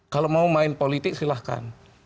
kalau mau main politik silahkan